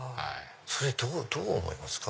それどう思いますか？